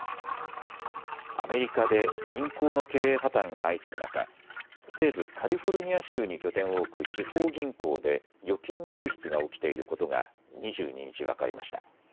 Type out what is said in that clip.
アメリカで銀行の経営破綻が相次ぐ中、西部カリフォルニア州に拠点を置く地方銀行で預金流出が起きていることが２２日、分かりました。